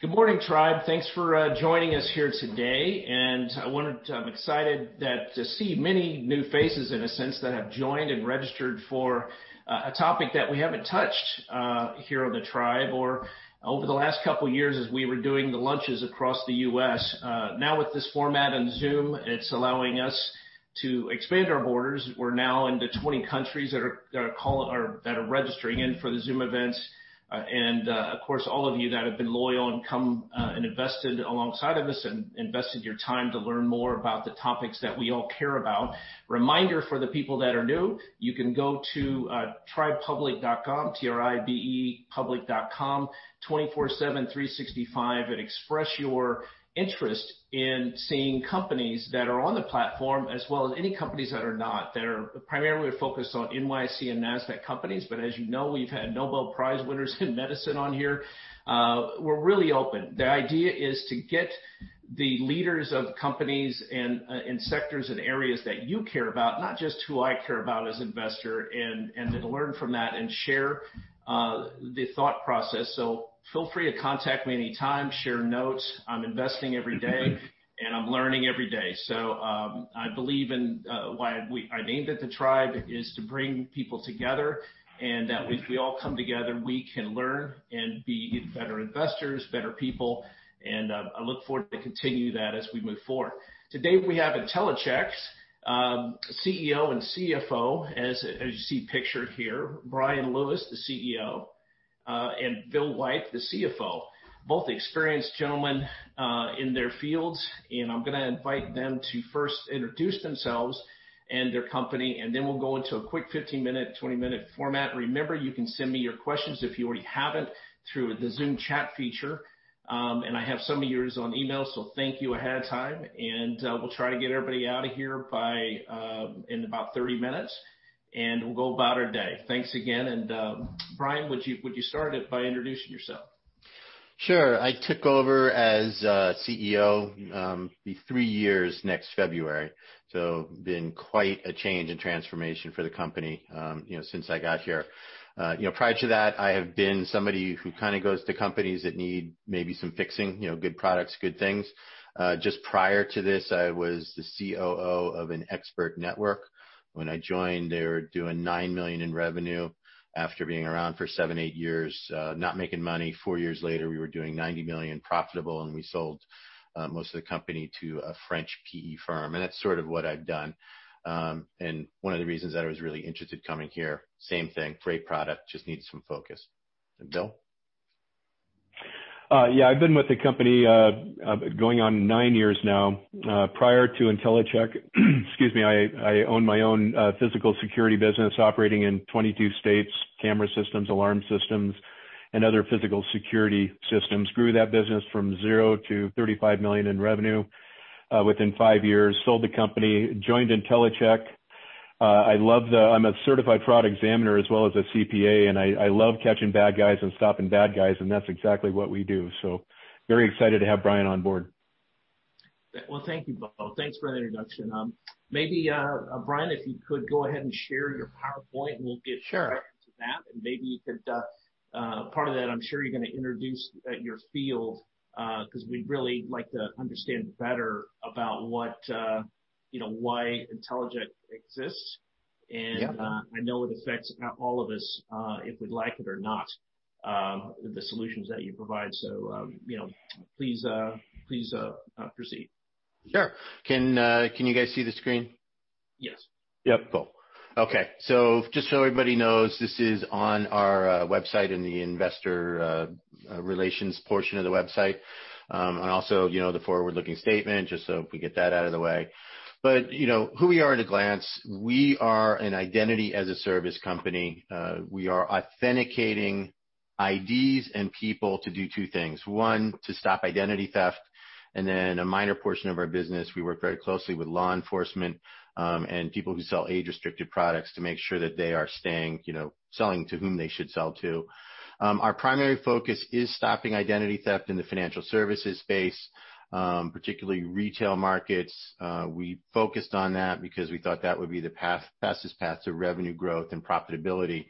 Good morning, Tribe. Thanks for joining us here today, and I'm excited to see many new faces, in a sense, that have joined and registered for a topic that we haven't touched here on the Tribe, or over the last couple of years, as we were doing the lunches across the U.S., now with this format on Zoom, it's allowing us to expand our borders. We're now into 20 countries that are registering in for the Zoom events, and of course, all of you that have been loyal and come and invested alongside of us and invested your time to learn more about the topics that we all care about. Reminder for the people that are new. You can go to TribePublic.com, TribePublic.com, 24/7, 365, and express your interest in seeing companies that are on the platform, as well as any companies that are not, that are primarily focused on NYSE and NASDAQ companies. But as you know, we've had Nobel Prize winners in medicine on here. We're really open. The idea is to get the leaders of companies and sectors and areas that you care about, not just who I care about as an investor, and to learn from that and share the thought process. So feel free to contact me anytime, share notes. I'm investing every day, and I'm learning every day. So I believe in why I named it the Tribe is to bring people together, and that if we all come together, we can learn and be better investors, better people. And I look forward to continue that as we move forward. Today we have Intellicheck's CEO and CFO, as you see pictured here, Bryan Lewis, the CEO, and Bill White, the CFO, both experienced gentlemen in their fields. And I'm going to invite them to first introduce themselves and their company, and then we'll go into a quick 15-minute, 20-minute format. Remember, you can send me your questions if you already haven't through the Zoom chat feature. And I have some of yours on email, so thank you ahead of time. And we'll try to get everybody out of here in about 30 minutes, and we'll go about our day. Thanks again. And Bryan, would you start by introducing yourself? Sure. I took over as CEO, it'll be three years next February, so it's been quite a change and transformation for the company since I got here. Prior to that, I have been somebody who kind of goes to companies that need maybe some fixing, good products, good things. Just prior to this, I was the COO of an expert network. When I joined, they were doing $9 million in revenue after being around for seven, eight years, not making money. Four years later, we were doing $90 million profitable, and we sold most of the company to a French PE firm, and that's sort of what I've done, and one of the reasons that I was really interested in coming here, same thing, great product, just needs some focus. And Bill? Yeah, I've been with the company going on nine years now. Prior to Intellicheck, excuse me, I owned my own physical security business operating in 22 states, camera systems, alarm systems, and other physical security systems. Grew that business from zero to $35 million in revenue within five years, sold the company, joined Intellicheck. I'm a Certified Fraud Examiner as well as a CPA, and I love catching bad guys and stopping bad guys, and that's exactly what we do. So very excited to have Bryan on board. Thank you, Bill. Thanks for the introduction. Maybe Bryan, if you could go ahead and share your PowerPoint, and we'll get to that. Maybe you could, part of that, I'm sure you're going to introduce your field because we'd really like to understand better about why Intellicheck exists. I know it affects all of us, if we like it or not, the solutions that you provide. Please proceed. Sure. Can you guys see the screen? Yes. Yep. Cool. Okay. So just so everybody knows, this is on our website in the investor relations portion of the website, and also the forward-looking statement, just so we get that out of the way, but who we are at a glance, we are an identity-as-a-service company. We are authenticating IDs and people to do two things. One, to stop identity theft, and then a minor portion of our business, we work very closely with law enforcement and people who sell age-restricted products to make sure that they are selling to whom they should sell to. Our primary focus is stopping identity theft in the financial services space, particularly retail markets. We focused on that because we thought that would be the fastest path to revenue growth and profitability,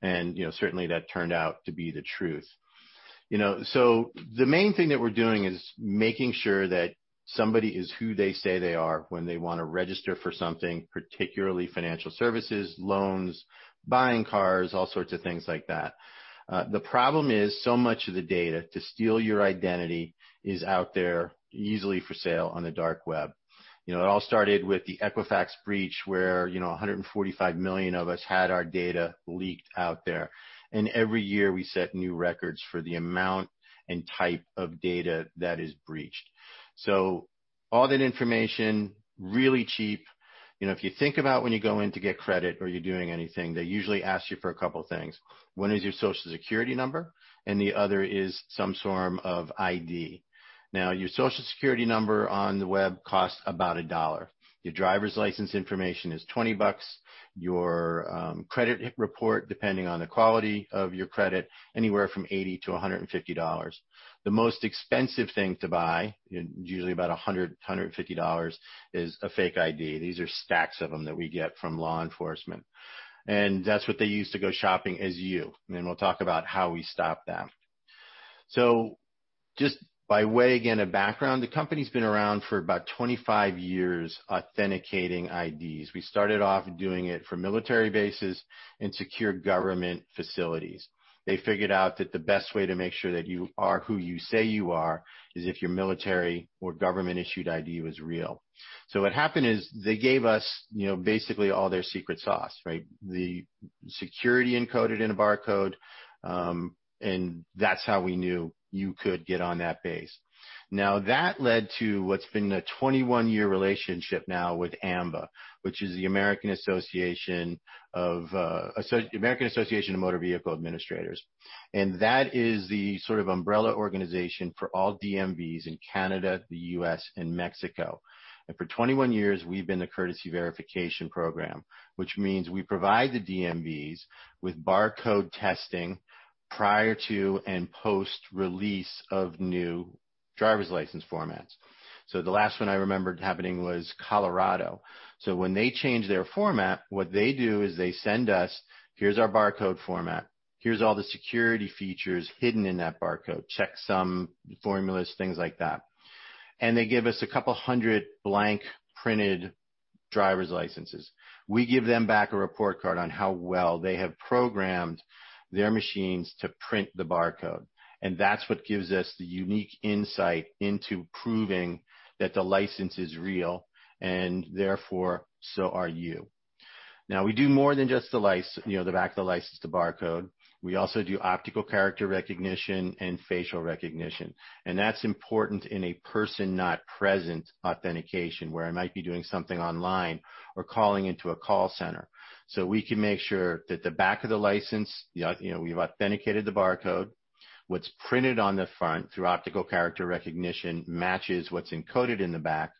and certainly, that turned out to be the truth. The main thing that we're doing is making sure that somebody is who they say they are when they want to register for something, particularly financial services, loans, buying cars, all sorts of things like that. The problem is so much of the data to steal your identity is out there easily for sale on the dark web. It all started with the Equifax breach where 145 million of us had our data leaked out there. And every year, we set new records for the amount and type of data that is breached. So all that information, really cheap. If you think about when you go in to get credit or you're doing anything, they usually ask you for a couple of things. One is your Social Security number, and the other is some form of ID. Now, your Social Security number on the web costs about $1. Your driver's license information is $20. Your credit report, depending on the quality of your credit, anywhere from $80-$150. The most expensive thing to buy, usually about $100-$150, is a fake ID. These are stacks of them that we get from law enforcement. And that's what they use to go shopping as you. And we'll talk about how we stop that. So just by way of background, the company's been around for about 25 years authenticating IDs. We started off doing it for military bases and secure government facilities. They figured out that the best way to make sure that you are who you say you are is if your military or government-issued ID was real. So what happened is they gave us basically all their secret sauce, right? The security encoded in a barcode, and that's how we knew you could get on that base. Now, that led to what's been a 21-year relationship now with AAMVA, which is the American Association of Motor Vehicle Administrators, and that is the sort of umbrella organization for all DMVs in Canada, the U.S., and Mexico, and for 21 years, we've been the Courtesy Verification Program, which means we provide the DMVs with barcode testing prior to and post-release of new driver's license formats, so the last one I remembered happening was Colorado, so when they change their format, what they do is they send us, "Here's our barcode format. Here's all the security features hidden in that barcode. Check some formulas," things like that, and they give us a couple hundred blank printed driver's licenses. We give them back a report card on how well they have programmed their machines to print the barcode. And that's what gives us the unique insight into proving that the license is real, and therefore, so are you. Now, we do more than just the back of the license, the barcode. We also do optical character recognition and facial recognition. And that's important in a person-not-present authentication where I might be doing something online or calling into a call center. So we can make sure that the back of the license, we've authenticated the barcode. What's printed on the front through optical character recognition matches what's encoded in the back.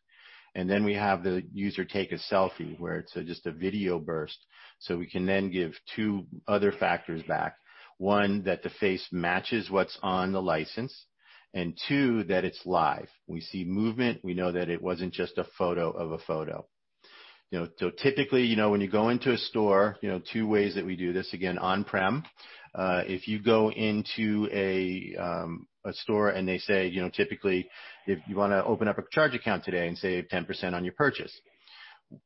And then we have the user take a selfie where it's just a video burst. So we can then give two other factors back. One, that the face matches what's on the license. And two, that it's live. We see movement. We know that it wasn't just a photo of a photo. So typically, when you go into a store, two ways that we do this, again, on-prem. If you go into a store and they say, "Typically, if you want to open up a charge account today and save 10% on your purchase,"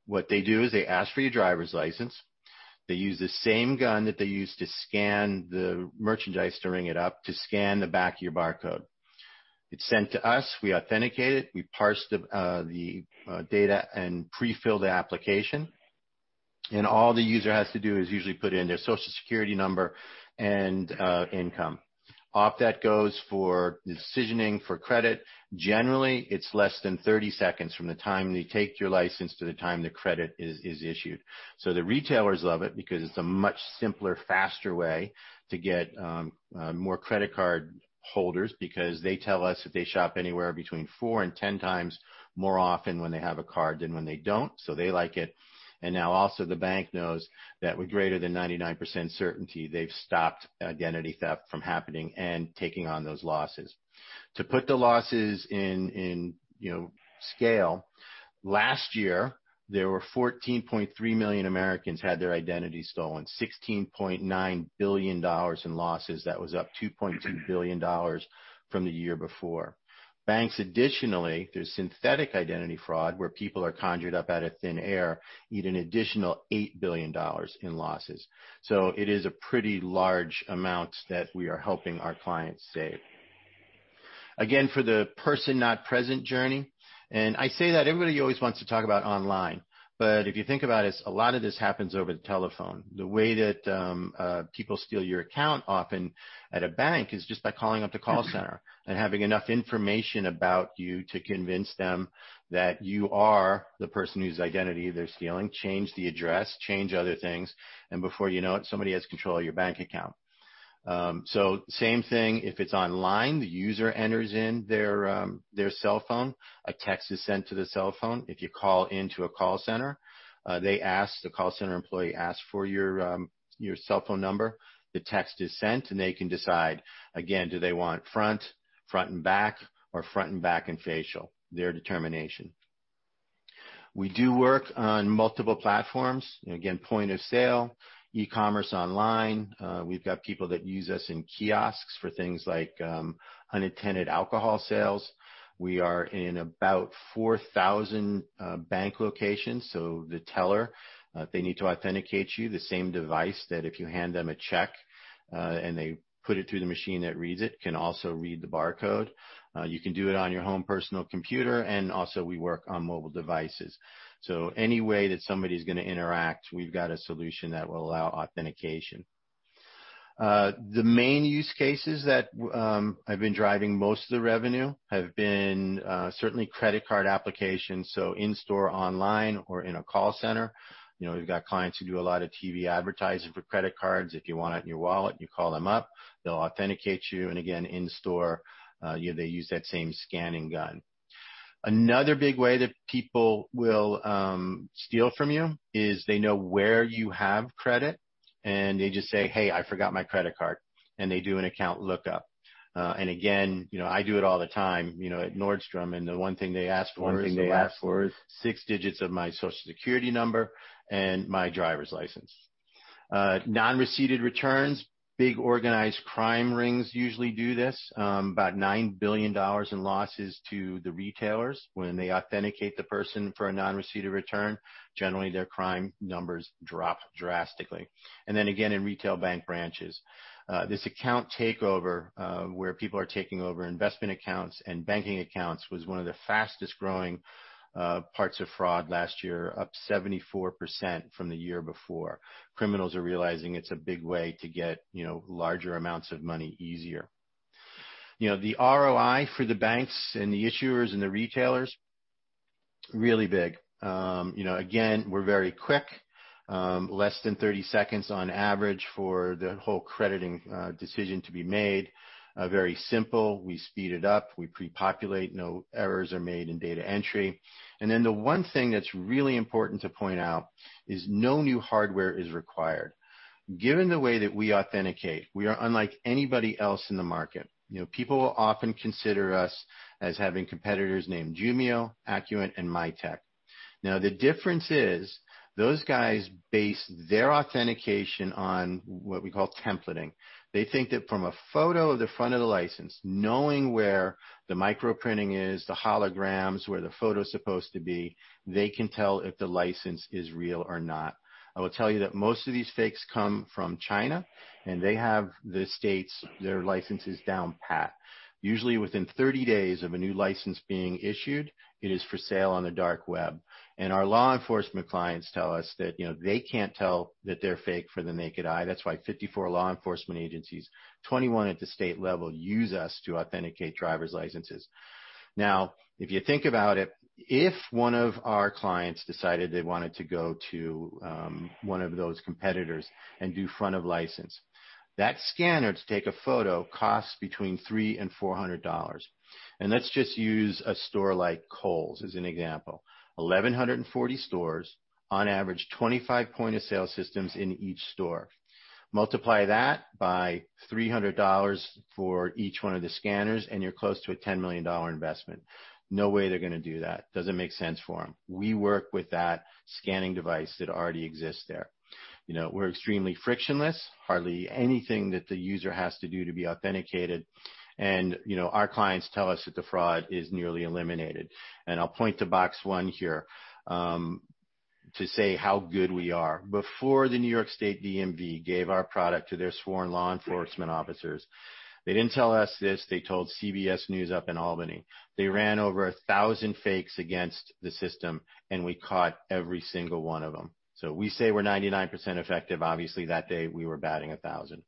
what they do is they ask for your driver's license. They use the same gun that they use to scan the merchandise, to ring it up, to scan the back of your barcode. It's sent to us. We authenticate it. We parse the data and prefill the application. And all the user has to do is usually put in their Social Security number and income. Off that goes for decisioning for credit. Generally, it's less than 30 seconds from the time they take your license to the time the credit is issued. So the retailers love it because it's a much simpler, faster way to get more credit card holders because they tell us that they shop anywhere between four and 10 times more often when they have a card than when they don't. So they like it. And now, also, the bank knows that with greater than 99% certainty, they've stopped identity theft from happening and taking on those losses. To put the losses in scale, last year, there were 14.3 million Americans had their identity stolen, $16.9 billion in losses. That was up $2.2 billion from the year before. Banks, additionally, through synthetic identity fraud, where people are conjured up out of thin air, need an additional $8 billion in losses. So it is a pretty large amount that we are helping our clients save. Again, for the person-not-present journey, and I say that everybody always wants to talk about online. But if you think about it, a lot of this happens over the telephone. The way that people steal your account often at a bank is just by calling up the call center and having enough information about you to convince them that you are the person whose identity they're stealing, change the address, change other things. And before you know it, somebody has control of your bank account. So same thing. If it's online, the user enters in their cell phone. A text is sent to the cell phone. If you call into a call center, the call center employee asks for your cell phone number. The text is sent, and they can decide, again, do they want front, front and back, or front and back and facial. Their determination. We do work on multiple platforms. Again, point of sale, e-commerce online. We've got people that use us in kiosks for things like underage alcohol sales. We are in about 4,000 bank locations, so the teller, they need to authenticate you. The same device that if you hand them a check and they put it through the machine that reads it, can also read the barcode. You can do it on your home personal computer, and also, we work on mobile devices, so any way that somebody is going to interact, we've got a solution that will allow authentication. The main use cases that I've been driving most of the revenue have been certainly credit card applications, so in-store, online, or in a call center. We've got clients who do a lot of TV advertising for credit cards. If you want it in your wallet, you call them up. They'll authenticate you. And again, in-store, they use that same scanning gun. Another big way that people will steal from you is they know where you have credit. And they just say, "Hey, I forgot my credit card." And they do an account lookup. And again, I do it all the time at Nordstrom. And the one thing they ask for is six digits of my Social Security number and my driver's license. Non-receipted returns, big organized crime rings usually do this. About $9 billion in losses to the retailers when they authenticate the person for a non-receipted return. Generally, their crime numbers drop drastically. And then again, in retail bank branches, this account takeover where people are taking over investment accounts and banking accounts was one of the fastest-growing parts of fraud last year, up 74% from the year before. Criminals are realizing it's a big way to get larger amounts of money easier. The ROI for the banks and the issuers and the retailers, really big. Again, we're very quick, less than 30 seconds on average for the whole crediting decision to be made. Very simple. We speed it up. We pre-populate. No errors are made in data entry. And then the one thing that's really important to point out is no new hardware is required. Given the way that we authenticate, we are unlike anybody else in the market. People will often consider us as having competitors named Jumio, Acuant, and Mitek. Now, the difference is those guys base their authentication on what we call templating. They think that from a photo of the front of the license, knowing where the microprinting is, the holograms, where the photo is supposed to be, they can tell if the license is real or not. I will tell you that most of these fakes come from China, and they have the states' licenses down pat. Usually, within 30 days of a new license being issued, it is for sale on the dark web. Our law enforcement clients tell us that they can't tell that they're fake with the naked eye. That's why 54 law enforcement agencies, 21 at the state level, use us to authenticate driver's licenses. Now, if you think about it, if one of our clients decided they wanted to go to one of those competitors and do front-of-license, that scanner to take a photo costs between $300 and $400. And let's just use a store like Kohl's as an example. 1,140 stores, on average, 25 point-of-sale systems in each store. Multiply that by $300 for each one of the scanners, and you're close to a $10 million investment. No way they're going to do that. Doesn't make sense for them. We work with that scanning device that already exists there. We're extremely frictionless. Hardly anything that the user has to do to be authenticated. And our clients tell us that the fraud is nearly eliminated. And I'll point to box one here to say how good we are. Before the New York State DMV gave our product to their sworn law enforcement officers, they didn't tell us this. They told CBS News up in Albany. They ran over 1,000 fakes against the system, and we caught every single one of them. So we say we're 99% effective. Obviously, that day, we were batting 1,000.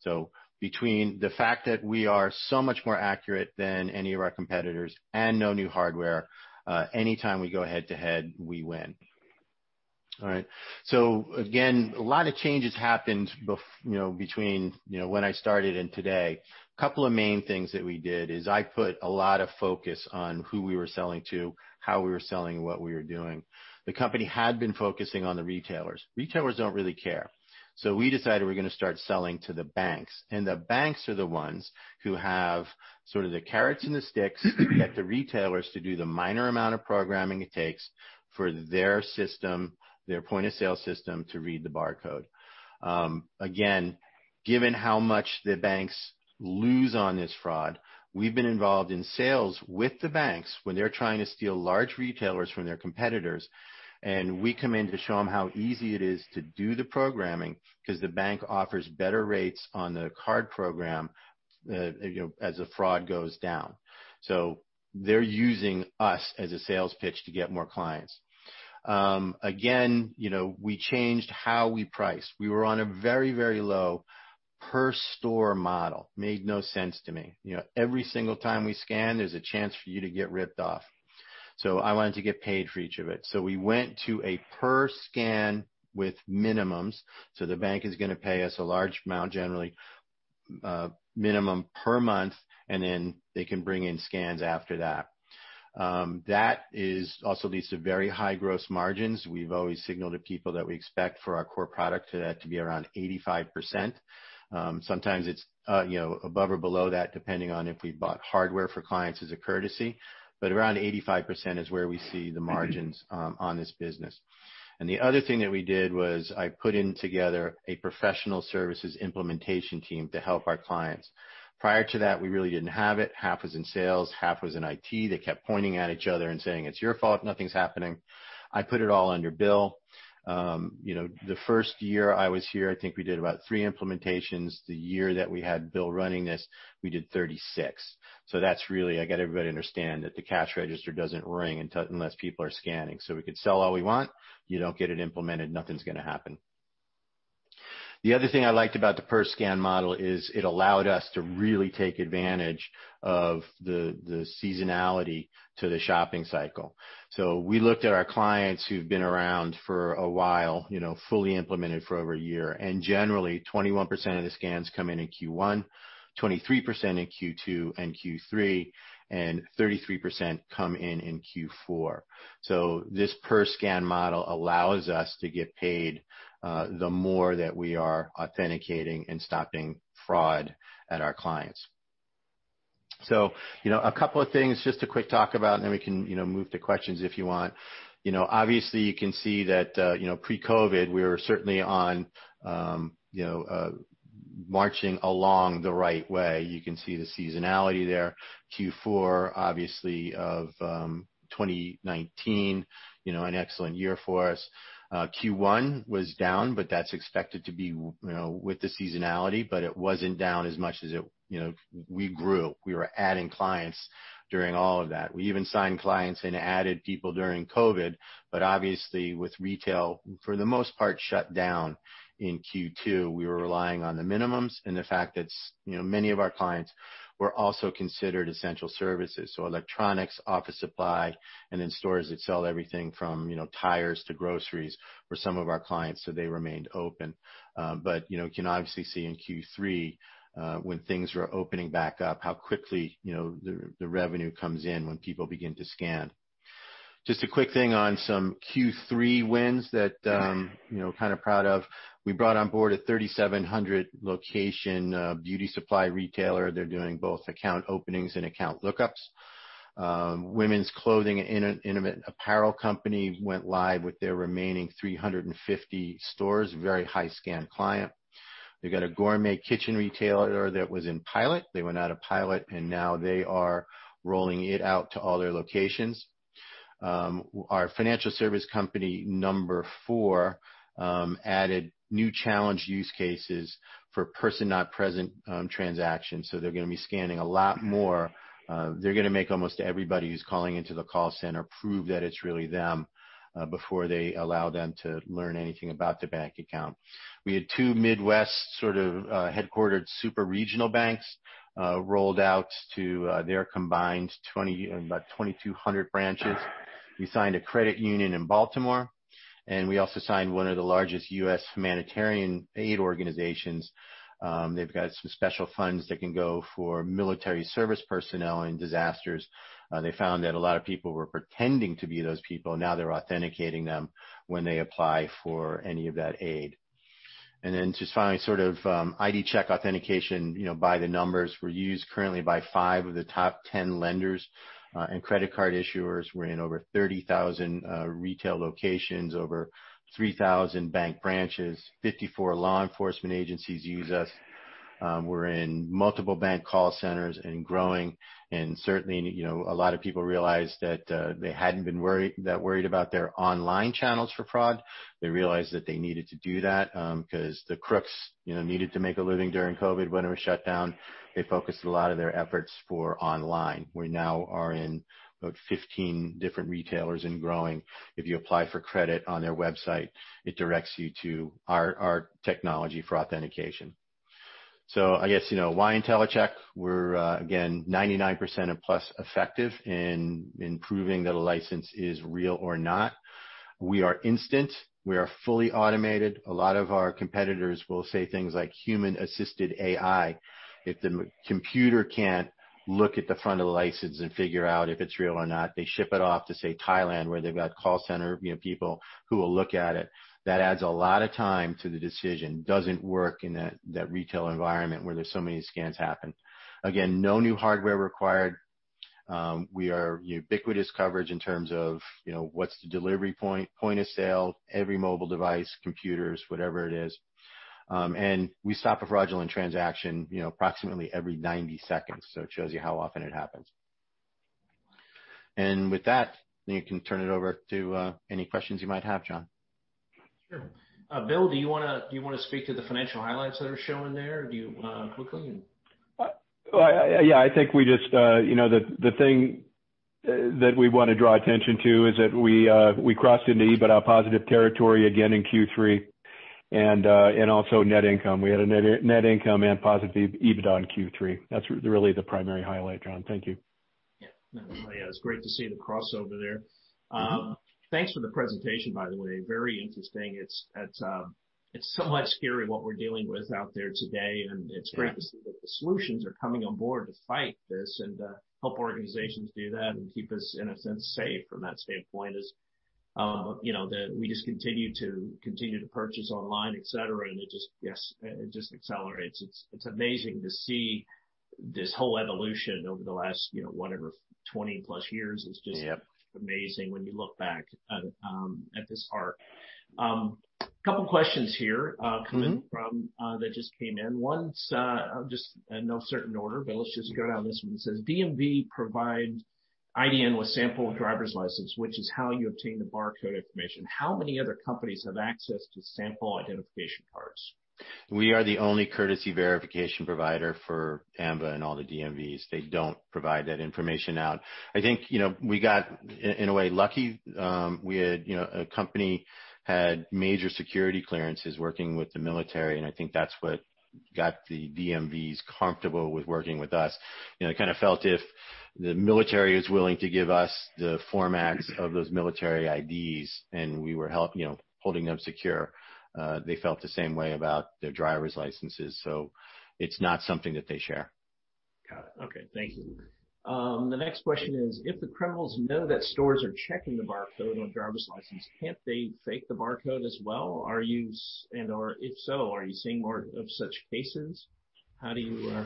So between the fact that we are so much more accurate than any of our competitors and no new hardware, anytime we go head-to-head, we win. All right, so again, a lot of changes happened between when I started and today. A couple of main things that we did is I put a lot of focus on who we were selling to, how we were selling, what we were doing. The company had been focusing on the retailers. Retailers don't really care, so we decided we're going to start selling to the banks, and the banks are the ones who have sort of the carrots and the sticks to get the retailers to do the minor amount of programming it takes for their system, their point-of-sale system to read the barcode. Again, given how much the banks lose on this fraud, we've been involved in sales with the banks when they're trying to steal large retailers from their competitors, and we come in to show them how easy it is to do the programming because the bank offers better rates on the card program as the fraud goes down, so they're using us as a sales pitch to get more clients. Again, we changed how we price. We were on a very, very low per-store model. Made no sense to me. Every single time we scan, there's a chance for you to get ripped off, so I wanted to get paid for each of it, so we went to a per-scan with minimums, so the bank is going to pay us a large amount, generally, minimum per month, and then they can bring in scans after that. That also leads to very high gross margins. We've always signaled to people that we expect for our core product to be around 85%. Sometimes it's above or below that, depending on if we bought hardware for clients as a courtesy. But around 85% is where we see the margins on this business. And the other thing that we did was I put in together a professional services implementation team to help our clients. Prior to that, we really didn't have it. Half was in sales, half was in IT. They kept pointing at each other and saying, "It's your fault. Nothing's happening." I put it all under Bill. The first year I was here, I think we did about three implementations. The year that we had Bill running this, we did 36. That's really I got everybody to understand that the cash register doesn't ring unless people are scanning. So we could sell all we want. You don't get it implemented. Nothing's going to happen. The other thing I liked about the per-scan model is it allowed us to really take advantage of the seasonality to the shopping cycle. So we looked at our clients who've been around for a while, fully implemented for over a year. And generally, 21% of the scans come in in Q1, 23% in Q2 and Q3, and 33% come in in Q4. So this per-scan model allows us to get paid the more that we are authenticating and stopping fraud at our clients. So a couple of things, just a quick talk about, and then we can move to questions if you want. Obviously, you can see that pre-COVID, we were certainly marching along the right way. You can see the seasonality there. Q4, obviously, of 2019, an excellent year for us. Q1 was down, but that's expected to be with the seasonality, but it wasn't down as much as it. We grew. We were adding clients during all of that. We even signed clients and added people during COVID. But obviously, with retail, for the most part, shut down in Q2, we were relying on the minimums and the fact that many of our clients were also considered essential services. So electronics, office supply, and then stores that sell everything from tires to groceries for some of our clients, so they remained open. But you can obviously see in Q3 when things were opening back up, how quickly the revenue comes in when people begin to scan. Just a quick thing on some Q3 wins that I'm kind of proud of. We brought on board a 3,700-location beauty supply retailer. They're doing both account openings and account lookups. Women's clothing and intimate apparel company went live with their remaining 350 stores, very high-scan client. They got a gourmet kitchen retailer that was in pilot. They went out of pilot, and now they are rolling it out to all their locations. Our financial service company number four added new challenge use cases for person-not-present transactions. So they're going to be scanning a lot more. They're going to make almost everybody who's calling into the call center prove that it's really them before they allow them to learn anything about the bank account. We had two Midwest sort of headquartered super regional banks rolled out to their combined about 2,200 branches. We signed a credit union in Baltimore, and we also signed one of the largest U.S. humanitarian aid organizations. They've got some special funds that can go for military service personnel in disasters. They found that a lot of people were pretending to be those people. Now they're authenticating them when they apply for any of that aid. And then just finally, sort of ID Check authentication by the numbers. We're used currently by five of the top 10 lenders and credit card issuers. We're in over 30,000 retail locations, over 3,000 bank branches. 54 law enforcement agencies use us. We're in multiple bank call centers and growing. And certainly, a lot of people realized that they hadn't been that worried about their online channels for fraud. They realized that they needed to do that because the crooks needed to make a living during COVID when it was shut down. They focused a lot of their efforts for online. We now are in about 15 different retailers and growing. If you apply for credit on their website, it directs you to our technology for authentication. So I guess why Intellicheck? We're, again, 99% plus effective in proving that a license is real or not. We are instant. We are fully automated. A lot of our competitors will say things like human-assisted AI. If the computer can't look at the front of the license and figure out if it's real or not, they ship it off to, say, Thailand, where they've got call center people who will look at it. That adds a lot of time to the decision. Doesn't work in that retail environment where there's so many scans happen. Again, no new hardware required. We are ubiquitous coverage in terms of what's the delivery point, point of sale, every mobile device, computers, whatever it is. And we stop a fraudulent transaction approximately every 90 seconds. So it shows you how often it happens. And with that, you can turn it over to any questions you might have, John. Sure. Bill, do you want to speak to the financial highlights that are showing there quickly? Yeah. I think, just the thing that we want to draw attention to is that we crossed into EBITDA positive territory again in Q3 and also net income. We had a net income and positive EBITDA in Q3. That's really the primary highlight, John. Thank you. Yeah. It's great to see the crossover there. Thanks for the presentation, by the way. Very interesting. It's so much scary what we're dealing with out there today, and it's great to see that the solutions are coming on board to fight this and help organizations do that and keep us, in a sense, safe from that standpoint as we just continue to purchase online, etc., and it just, yes, it just accelerates. It's amazing to see this whole evolution over the last, whatever, 20-plus years. It's just amazing when you look back at this arc. A couple of questions here coming from that just came in. I'll just not in certain order, but let's just go down this one. It says, "DMV provides IDN with sample driver's license, which is how you obtain the barcode information. How many other companies have access to sample identification cards?" We are the only courtesy verification provider for AAMVA and all the DMVs. They don't provide that information out. I think we got, in a way, lucky. A company had major security clearances working with the military, and I think that's what got the DMVs comfortable with working with us. They kind of felt if the military is willing to give us the formats of those military IDs and we were holding them secure, they felt the same way about their driver's licenses. So it's not something that they share. Got it. Okay. Thank you. The next question is, "If the criminals know that stores are checking the barcode on driver's license, can't they fake the barcode as well? And if so, are you seeing more of such cases? How do you?"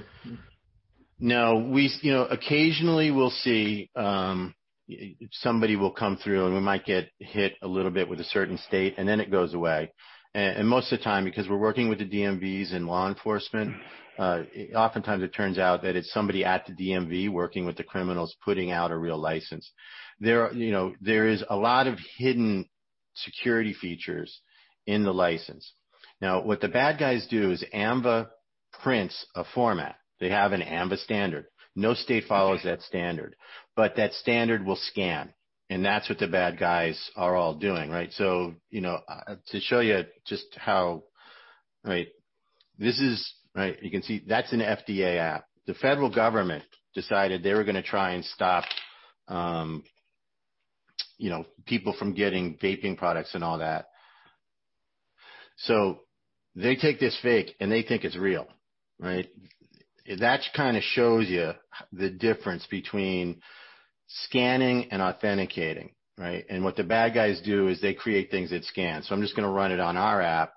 No. Occasionally, we'll see somebody will come through, and we might get hit a little bit with a certain state, and then it goes away. Most of the time, because we're working with the DMVs and law enforcement, oftentimes it turns out that it's somebody at the DMV working with the criminals putting out a real license. There is a lot of hidden security features in the license. Now, what the bad guys do is microprinting format. They have a microprinting standard. No state follows that standard. But that standard will scan. And that's what the bad guys are all doing, right? So to show you just how, right, this is, right, you can see that's an FDA app. The federal government decided they were going to try and stop people from getting vaping products and all that. So they take this fake, and they think it's real, right? That kind of shows you the difference between scanning and authenticating, right? What the bad guys do is they create things that scan. I'm just going to run it on our app.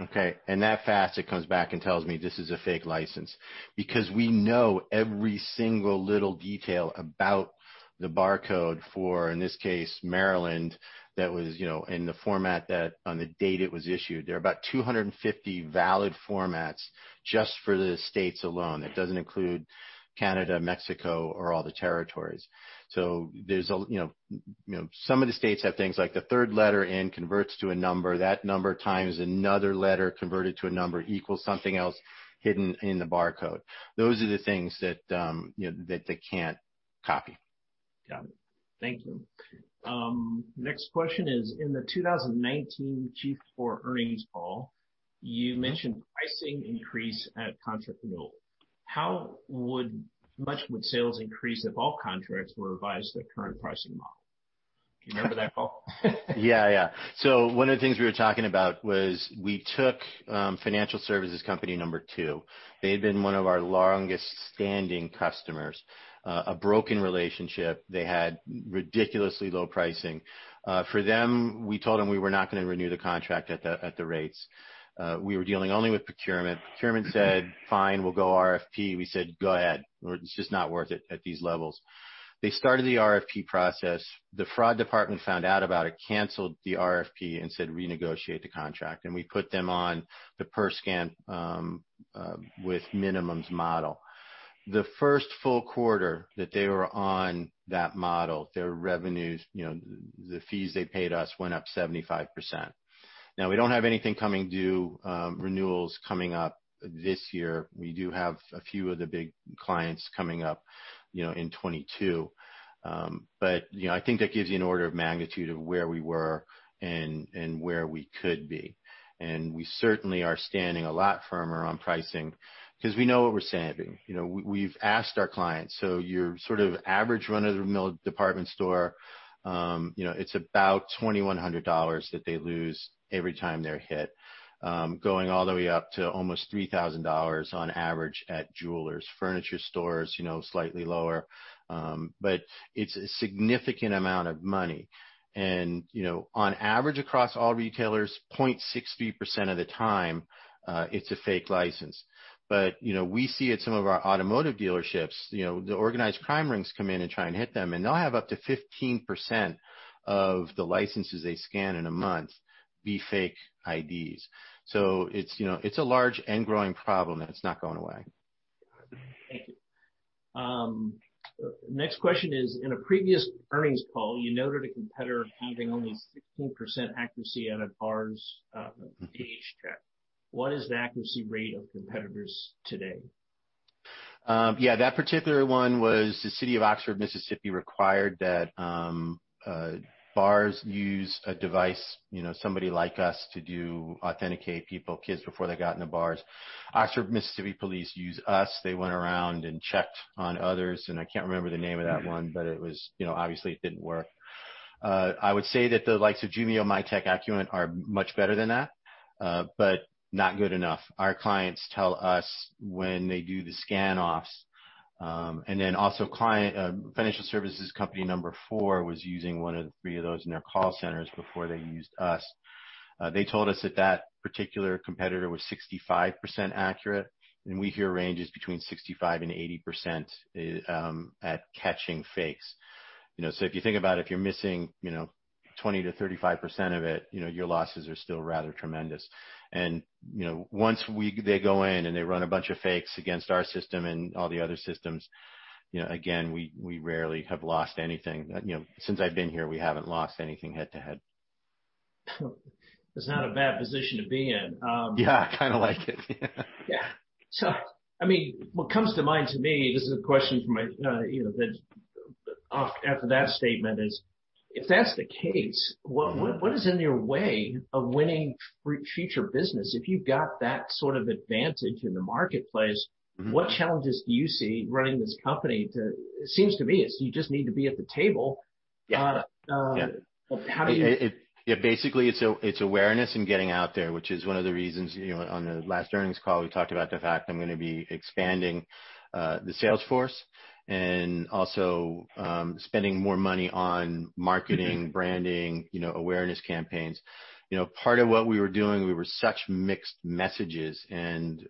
Okay. That fast, it comes back and tells me this is a fake license because we know every single little detail about the barcode for, in this case, Maryland that was in the format that on the date it was issued. There are about 250 valid formats just for the states alone. It doesn't include Canada, Mexico, or all the territories. Some of the states have things like the third letter N converts to a number. That number times another letter converted to a number equals something else hidden in the barcode. Those are the things that they can't copy. Got it. Thank you. Next question is, "In the 2019 Q4 earnings call, you mentioned pricing increase at contract renewal. How much would sales increase if all contracts were revised to the current pricing model?" Do you remember that call? Yeah. Yeah. So one of the things we were talking about was we took financial services company number two. They had been one of our longest-standing customers. A broken relationship. They had ridiculously low pricing. For them, we told them we were not going to renew the contract at the rates. We were dealing only with procurement. Procurement said, "Fine, we'll go RFP." We said, "Go ahead. It's just not worth it at these levels." They started the RFP process. The fraud department found out about it, canceled the RFP, and said, "Renegotiate the contract." And we put them on the per-scan with minimums model. The first full quarter that they were on that model, their revenues, the fees they paid us went up 75%. Now, we don't have anything coming due renewals coming up this year. We do have a few of the big clients coming up in 2022. But I think that gives you an order of magnitude of where we were and where we could be. And we certainly are standing a lot firmer on pricing because we know what we're saving. We've asked our clients. So your sort of average run-of-the-mill department store, it's about $2,100 that they lose every time they're hit, going all the way up to almost $3,000 on average at jewelers. Furniture stores, slightly lower. But it's a significant amount of money. And on average, across all retailers, 0.63% of the time, it's a fake license. But we see at some of our automotive dealerships, the organized crime rings come in and try and hit them, and they'll have up to 15% of the licenses they scan in a month be fake IDs. So it's a large and growing problem that's not going away. Got it. Thank you. Next question is, "In a previous earnings call, you noted a competitor having only 16% accuracy out of BarZ. What is the accuracy rate of competitors today?" Yeah. That particular one was the city of Oxford, Mississippi required that bars use a device, somebody like us, to authenticate people, kids before they got into bars. Oxford, Mississippi police use us. They went around and checked on others. I can't remember the name of that one, but obviously, it didn't work. I would say that the likes of Jumio, Mitek, Acuant are much better than that, but not good enough. Our clients tell us when they do the scan-offs. And then also financial services company number four was using one of the three of those in their call centers before they used us. They told us that that particular competitor was 65% accurate, and we hear ranges between 65%-80% at catching fakes. So if you think about it, if you're missing 20%-35% of it, your losses are still rather tremendous. And once they go in and they run a bunch of fakes against our system and all the other systems, again, we rarely have lost anything. Since I've been here, we haven't lost anything head-to-head. It's not a bad position to be in. Yeah. I kind of like it. Yeah. I mean, what comes to mind to me, this is a question for me after that statement is, if that's the case, what is in your way of winning future business? If you've got that sort of advantage in the marketplace, what challenges do you see running this company? It seems to me it's you just need to be at the table. How do you? Yeah. Basically, it's awareness and getting out there, which is one of the reasons on the last earnings call, we talked about the fact I'm going to be expanding the sales force and also spending more money on marketing, branding, awareness campaigns. Part of what we were doing, we were sending such mixed messages. And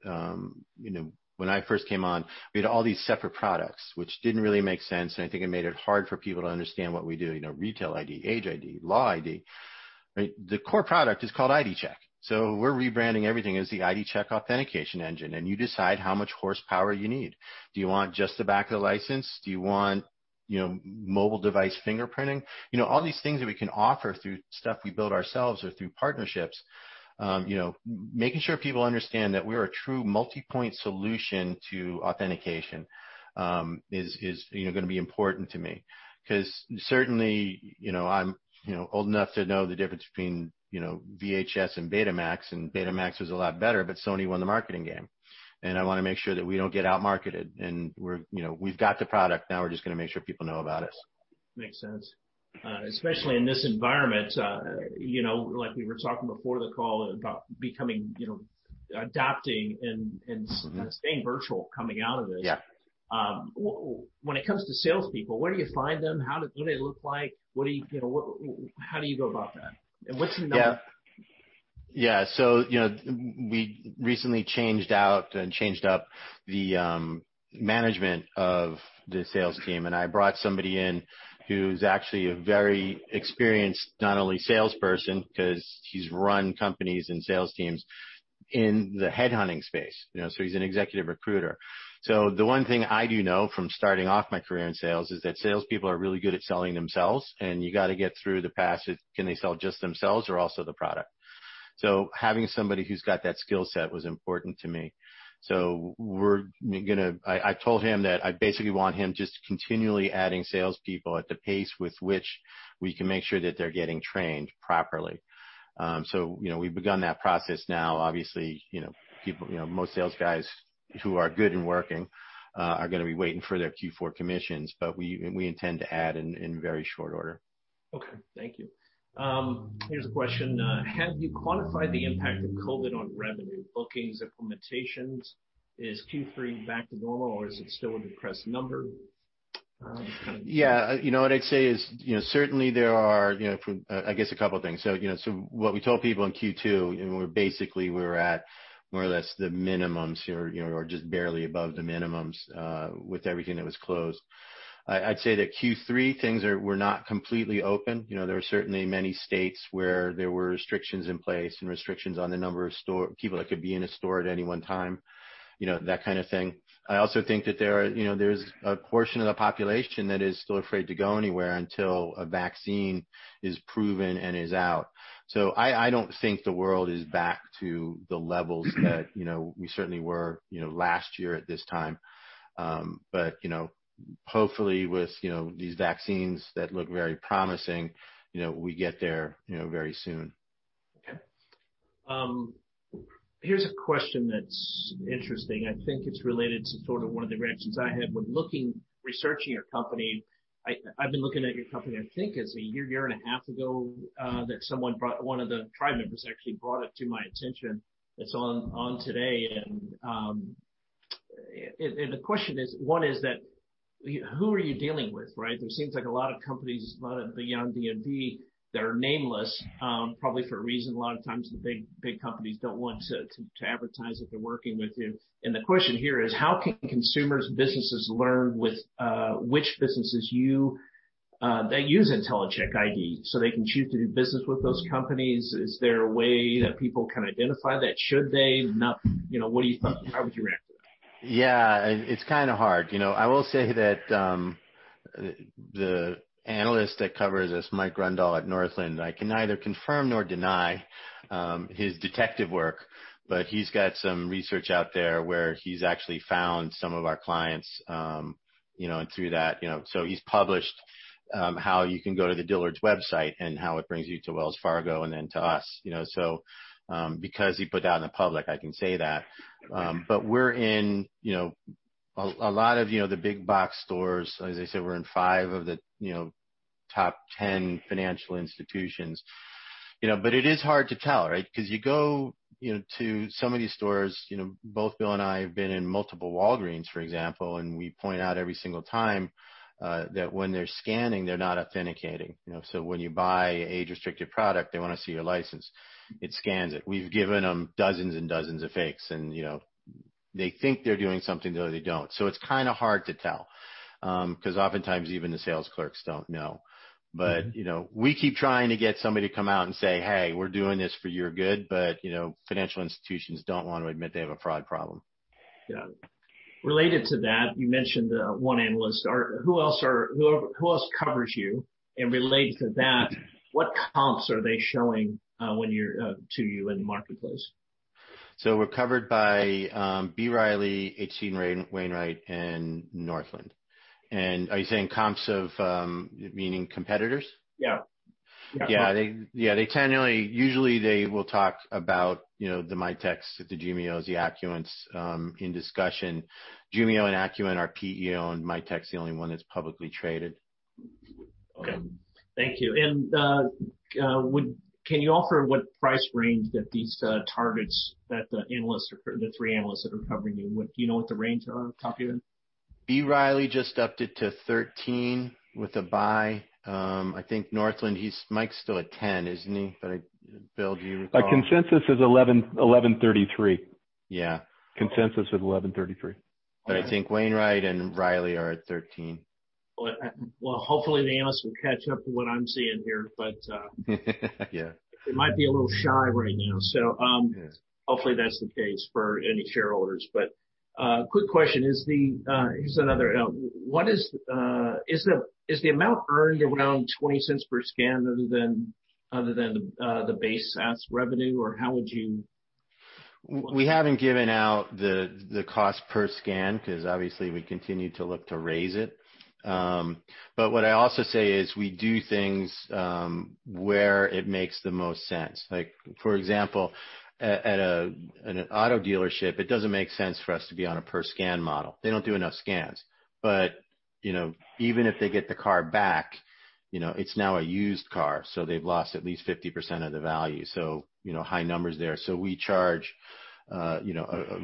when I first came on, we had all these separate products, which didn't really make sense. And I think it made it hard for people to understand what we do. Retail ID, Age ID, Law ID. The core product is called ID Check. So we're rebranding everything as the ID Check authentication engine. And you decide how much horsepower you need. Do you want just the back of the license? Do you want mobile device fingerprinting? All these things that we can offer through stuff we build ourselves or through partnerships. Making sure people understand that we're a true multi-point solution to authentication is going to be important to me because certainly, I'm old enough to know the difference between VHS and Betamax, and Betamax was a lot better, but Sony won the marketing game. And I want to make sure that we don't get outmarketed. And we've got the product. Now we're just going to make sure people know about us. Makes sense. Especially in this environment, like we were talking before the call about adopting and staying virtual coming out of this. When it comes to salespeople, where do you find them? What do they look like? How do you go about that? And what's your number? Yeah. So we recently changed out and changed up the management of the sales team. And I brought somebody in who's actually a very experienced not only salesperson because he's run companies and sales teams in the headhunting space. So he's an executive recruiter. So the one thing I do know from starting off my career in sales is that salespeople are really good at selling themselves. And you got to get through the pass of can they sell just themselves or also the product? So having somebody who's got that skill set was important to me. So I told him that I basically want him just continually adding salespeople at the pace with which we can make sure that they're getting trained properly. So we've begun that process now. Obviously, most sales guys who are good and working are going to be waiting for their Q4 commissions, but we intend to add in very short order. Okay. Thank you. Here's a question. "Have you quantified the impact of COVID on revenue, bookings, implementations? Is Q3 back to normal, or is it still a depressed number?" Yeah. What I'd say is certainly there are, I guess, a couple of things. So what we told people in Q2, basically, we were at more or less the minimums or just barely above the minimums with everything that was closed. I'd say that Q3, things were not completely open. There were certainly many states where there were restrictions in place and restrictions on the number of people that could be in a store at any one time, that kind of thing. I also think that there is a portion of the population that is still afraid to go anywhere until a vaccine is proven and is out. So I don't think the world is back to the levels that we certainly were last year at this time. But hopefully, with these vaccines that look very promising, we get there very soon. Okay. Here's a question that's interesting. I think it's related to sort of one of the reactions I had when researching your company. I've been looking at your company, I think, as a year, year and a half ago that someone brought one of the tribe members actually brought it to my attention. It's on today. The question is, one is that who are you dealing with, right? There seems like a lot of companies, a lot of beyond DMV that are nameless, probably for a reason. A lot of times, the big companies don't want to advertise that they're working with you. And the question here is, how can consumers and businesses learn with which businesses that use Intellicheck ID so they can choose to do business with those companies? Is there a way that people can identify that? Should they? What do you think? How would you react to that? Yeah. It's kind of hard. I will say that the analyst that covers this, Mike Grondahl at Northland, I can neither confirm nor deny his detective work, but he's got some research out there where he's actually found some of our clients through that. So he's published how you can go to the Dillard's website and how it brings you to Wells Fargo and then to us. So because he put that in the public, I can say that. But we're in a lot of the big box stores. As I said, we're in five of the top 10 financial institutions. But it is hard to tell, right? Because you go to some of these stores, both Bill and I have been in multiple Walgreens, for example, and we point out every single time that when they're scanning, they're not authenticating. So when you buy an age-restricted product, they want to see your license. It scans it. We've given them dozens and dozens of fakes, and they think they're doing something, though they don't. So it's kind of hard to tell because oftentimes, even the sales clerks don't know. But we keep trying to get somebody to come out and say, "Hey, we're doing this for your good," but financial institutions don't want to admit they have a fraud problem. Yeah. Related to that, you mentioned one analyst. Who else covers you? And related to that, what comps are they showing to you in the marketplace? So we're covered by B. Riley, H.C. Wainwright, and Northland. And are you saying comps of meaning competitors? Yeah. Yeah. Yeah. Usually, they will talk about the Mitek, the Jumio, the Acuant in discussion. Jumio and Acuant are PE owned. Mitek, the only one that's publicly traded. Okay. Thank you. And can you offer what price range that these targets that the analysts, the three analysts that are covering you, do you know what the range are on top of them? B. Riley just upped it to $13 with a buy. I think Northland, Mike's still at $10, isn't he? But Bill, do you recall? Consensus is $11.33. Yeah. Consensus is $11.33. But I think Wainwright and Riley are at $13. Hopefully, the analysts will catch up to what I'm seeing here, Yeah. but they might be a little shy right now. So hopefully, that's the case for any shareholders. But quick question. Here's another. Is the amount earned around $0.20 per scan other than the base revenue, or how would you? We haven't given out the cost per scan because obviously, we continue to look to raise it. But what I also say is we do things where it makes the most sense. For example, at an auto dealership, it doesn't make sense for us to be on a per-scan model. They don't do enough scans. But even if they get the car back, it's now a used car, so they've lost at least 50% of the value. So high numbers there. So we charge a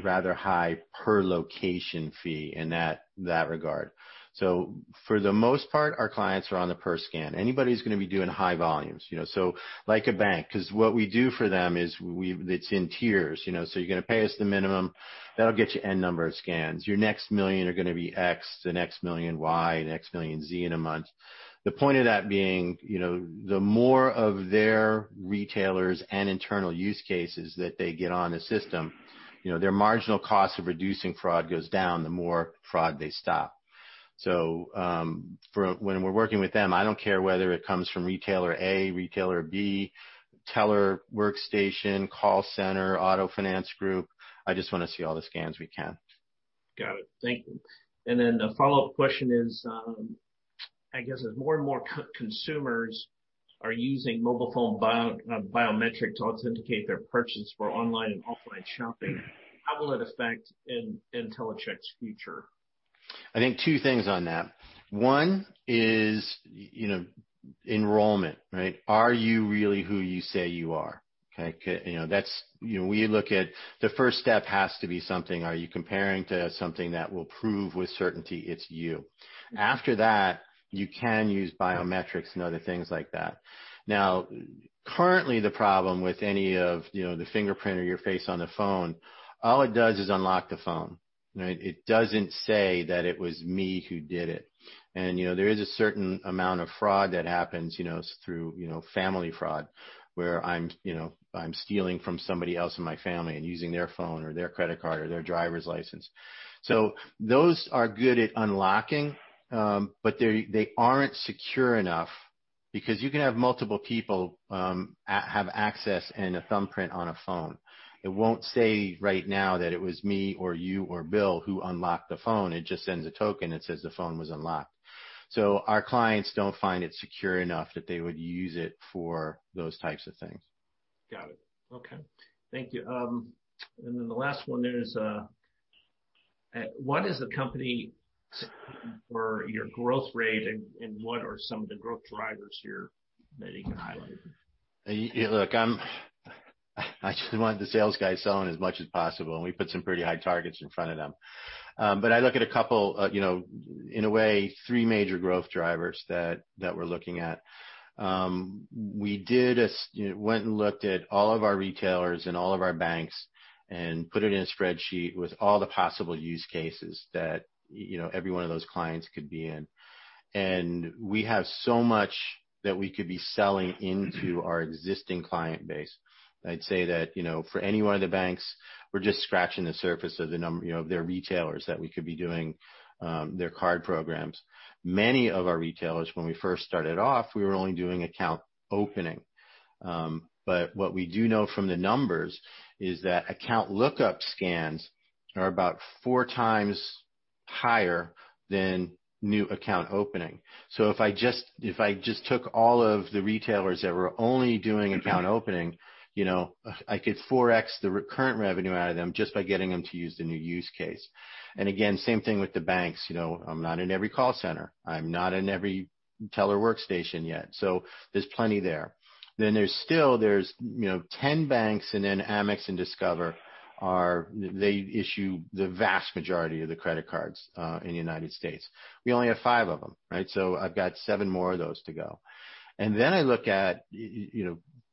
rather high per-location fee in that regard. So for the most part, our clients are on the per-scan. Anybody's going to be doing high volumes. So like a bank, because what we do for them is it's in tiers. So you're going to pay us the minimum. That'll get you N number of scans. Your next million are going to be X, the next million Y, the next million Z in a month. The point of that being, the more of their retailers and internal use cases that they get on the system, their marginal cost of reducing fraud goes down, the more fraud they stop. So when we're working with them, I don't care whether it comes from retailer A, retailer B, teller, workstation, call center, auto finance group. I just want to see all the scans we can. Got it. Thank you. And then the follow-up question is, I guess, as more and more consumers are using mobile phone biometrics to authenticate their purchase for online and offline shopping, how will it affect Intellicheck's future? I think two things on that. One is enrollment, right? Are you really who you say you are? Okay? We look at the first step has to be something. Are you comparing to something that will prove with certainty it's you? After that, you can use biometrics and other things like that. Now, currently, the problem with any of the fingerprint or your face on the phone, all it does is unlock the phone. It doesn't say that it was me who did it. And there is a certain amount of fraud that happens through family fraud where I'm stealing from somebody else in my family and using their phone or their credit card or their driver's license. So those are good at unlocking, but they aren't secure enough because you can have multiple people have access and a thumbprint on a phone. It won't say right now that it was me or you or Bill who unlocked the phone. It just sends a token that says the phone was unlocked. So our clients don't find it secure enough that they would use it for those types of things. Got it. Okay. Thank you. And then the last one is, what is the company's growth rate, and what are some of the growth drivers here that you can highlight? Look, I just wanted the sales guys selling as much as possible, and we put some pretty high targets in front of them, but I look at a couple, in a way, three major growth drivers that we're looking at. We went and looked at all of our retailers and all of our banks and put it in a spreadsheet with all the possible use cases that every one of those clients could be in, and we have so much that we could be selling into our existing client base. I'd say that for any one of the banks, we're just scratching the surface of their retailers that we could be doing their card programs. Many of our retailers, when we first started off, we were only doing account opening. But what we do know from the numbers is that account lookup scans are about four times higher than new account opening. So if I just took all of the retailers that were only doing account opening, I could 4x the current revenue out of them just by getting them to use the new use case. And again, same thing with the banks. I'm not in every call center. I'm not in every teller workstation yet. So there's plenty there. Then there's still 10 banks, and then Amex and Discover, they issue the vast majority of the credit cards in the United States. We only have five of them, right? So I've got seven more of those to go. And then I look at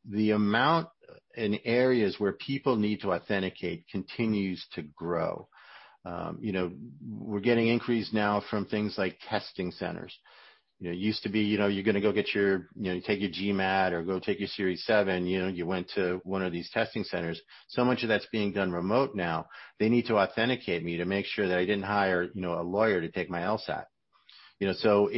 the amount in areas where people need to authenticate continues to grow. We're getting increased now from things like testing centers. It used to be you're going to go take your GMAT or go take your Series 7. You went to one of these testing centers. So much of that's being done remote now. They need to authenticate me to make sure that I didn't hire a lawyer to take my LSAT. So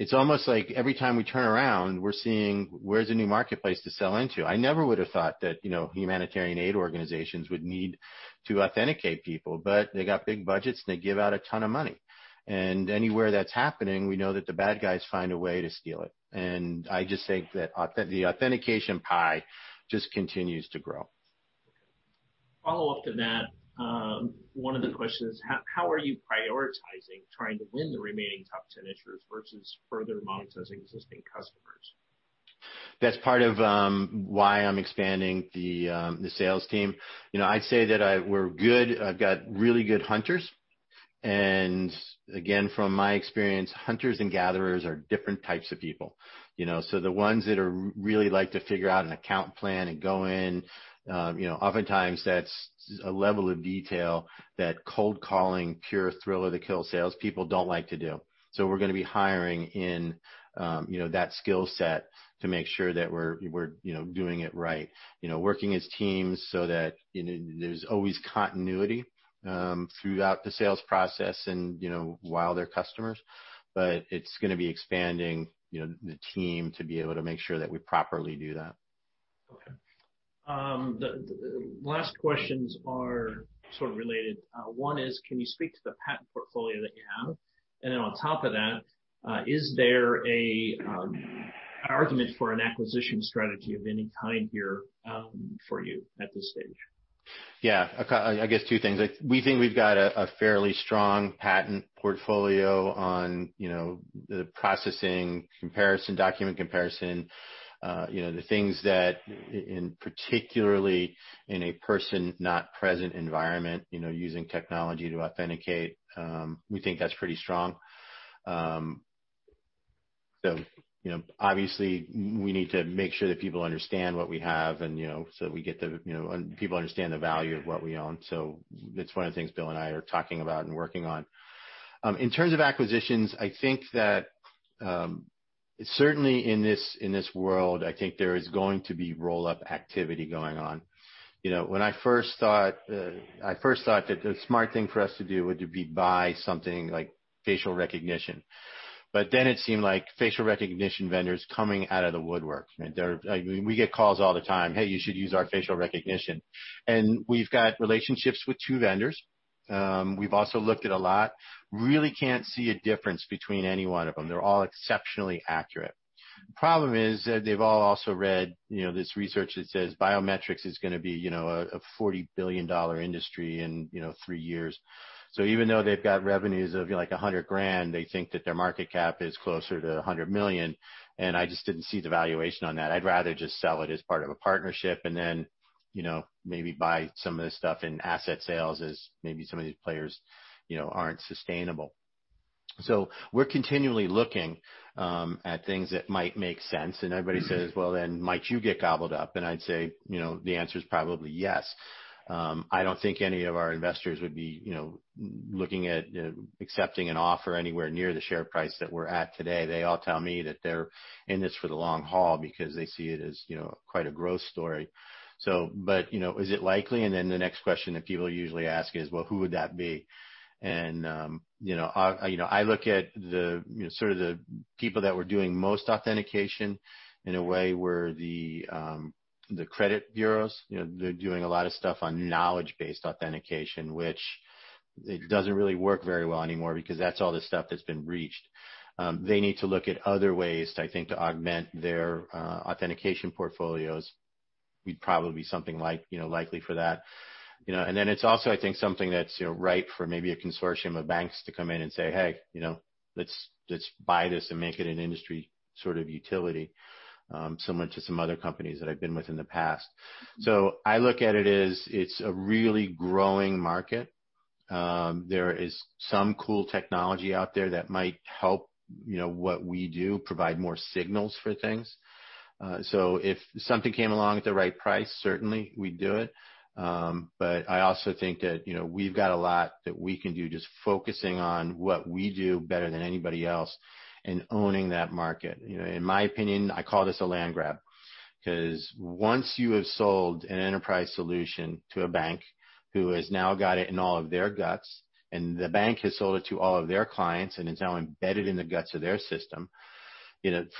it's almost like every time we turn around, we're seeing where's a new marketplace to sell into. I never would have thought that humanitarian aid organizations would need to authenticate people, but they got big budgets, and they give out a ton of money. And anywhere that's happening, we know that the bad guys find a way to steal it. And I just think that the authentication pie just continues to grow. Follow-up to that, one of the questions is, how are you prioritizing trying to win the remaining top 10 entries versus further monetizing existing customers? That's part of why I'm expanding the sales team. I'd say that we're good. I've got really good hunters. And again, from my experience, hunters and gatherers are different types of people. So the ones that are really liked to figure out an account plan and go in, oftentimes, that's a level of detail that cold calling, pure thrill of the kill salespeople don't like to do. So we're going to be hiring in that skill set to make sure that we're doing it right, working as teams so that there's always continuity throughout the sales process and while they're customers. But it's going to be expanding the team to be able to make sure that we properly do that. Okay. Last questions are sort of related. One is, can you speak to the patent portfolio that you have? And then on top of that, is there an argument for an acquisition strategy of any kind here for you at this stage? Yeah. I guess two things. We think we've got a fairly strong patent portfolio on the processing comparison, document comparison, the things that, particularly in a person-not-present environment, using technology to authenticate. We think that's pretty strong. So obviously, we need to make sure that people understand what we have so that we get the people understand the value of what we own. So it's one of the things Bill and I are talking about and working on. In terms of acquisitions, I think that certainly in this world, I think there is going to be roll-up activity going on. When I first thought that the smart thing for us to do would be to buy something like facial recognition. But then it seemed like facial recognition vendors coming out of the woodwork. I mean, we get calls all the time, "Hey, you should use our facial recognition." And we've got relationships with two vendors. We've also looked at a lot. Really can't see a difference between any one of them. They're all exceptionally accurate. Problem is that they've all also read this research that says biometrics is going to be a $40 billion industry in three years. So even though they've got revenues of like $100,000, they think that their market cap is closer to $100 million. And I just didn't see the valuation on that. I'd rather just sell it as part of a partnership and then maybe buy some of this stuff in asset sales as maybe some of these players aren't sustainable. So we're continually looking at things that might make sense. And everybody says, "Well, then might you get gobbled up?" And I'd say the answer is probably yes. I don't think any of our investors would be looking at accepting an offer anywhere near the share price that we're at today. They all tell me that they're in this for the long haul because they see it as quite a growth story. But is it likely? And then the next question that people usually ask is, "Well, who would that be?" And I look at sort of the people that were doing most authentication in a way where the credit bureaus, they're doing a lot of stuff on knowledge-based authentication, which it doesn't really work very well anymore because that's all the stuff that's been breached. They need to look at other ways, I think, to augment their authentication portfolios. We'd probably be something likely for that. And then it's also, I think, something that's right for maybe a consortium of banks to come in and say, "Hey, let's buy this and make it an industry sort of utility," similar to some other companies that I've been with in the past. So I look at it as it's a really growing market. There is some cool technology out there that might help what we do, provide more signals for things. So if something came along at the right price, certainly we'd do it. But I also think that we've got a lot that we can do just focusing on what we do better than anybody else and owning that market. In my opinion, I call this a land grab because once you have sold an enterprise solution to a bank who has now got it in all of their guts, and the bank has sold it to all of their clients, and it's now embedded in the guts of their system,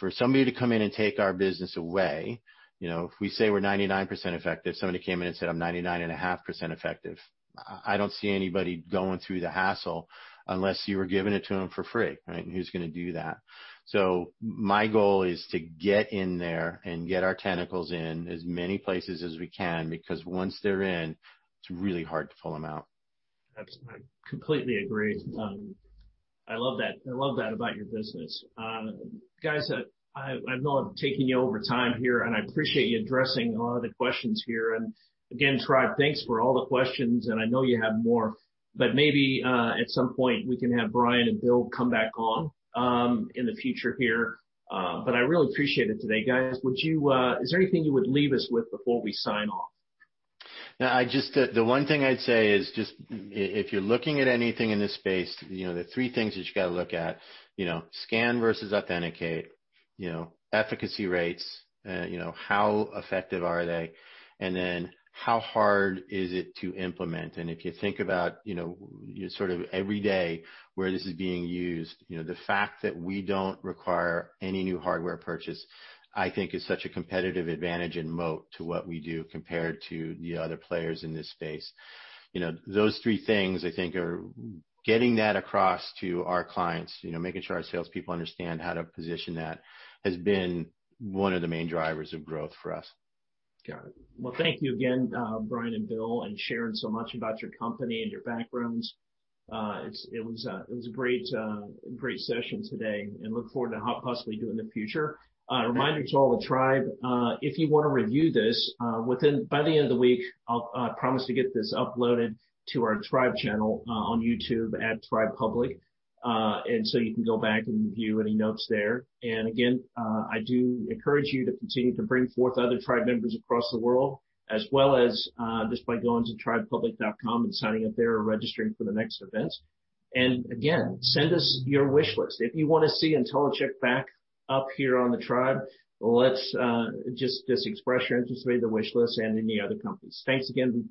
for somebody to come in and take our business away, if we say we're 99% effective, somebody came in and said, "I'm 99.5% effective," I don't see anybody going through the hassle unless you were giving it to them for free, right? And who's going to do that? So my goal is to get in there and get our tentacles in as many places as we can because once they're in, it's really hard to pull them out. Absolutely. I completely agree. I love that. I love that about your business. Guys, I've not taken you over time here, and I appreciate you addressing a lot of the questions here. And again, Tribe, thanks for all the questions. And I know you have more, but maybe at some point, we can have Bryan and Bill come back on in the future here. But I really appreciate it today. Guys, is there anything you would leave us with before we sign off? The one thing I'd say is just if you're looking at anything in this space, the three things that you got to look at: scan versus authenticate, efficacy rates, how effective are they, and then how hard is it to implement? And if you think about sort of every day where this is being used, the fact that we don't require any new hardware purchase, I think, is such a competitive advantage and moat to what we do compared to the other players in this space. Those three things, I think, are getting that across to our clients, making sure our salespeople understand how to position that has been one of the main drivers of growth for us. Got it. Well, thank you again, Bryan and Bill, and sharing so much about your company and your backgrounds. It was a great session today and look forward to possibly doing in the future. Reminder to all the Tribe, if you want to review this by the end of the week, I promise to get this uploaded to our Tribe channel on YouTube at Tribe Public. And so you can go back and view any notes there. And again, I do encourage you to continue to bring forth other Tribe members across the world, as well as just by going to tribepublic.com and signing up there or registering for the next events. And again, send us your wish list. If you want to see Intellicheck back up here on the Tribe, just express your interest with the wish list and any other companies. Thanks again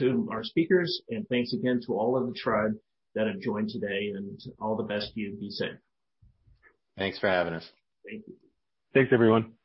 to our speakers, and thanks again to all of the Tribe that have joined today, and all the best to you. Be safe. Thanks for having us. Thank you. Thanks, everyone.